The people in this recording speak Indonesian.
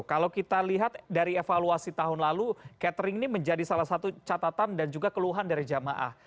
kalau kita lihat dari evaluasi tahun lalu catering ini menjadi salah satu catatan dan juga keluhan dari jamaah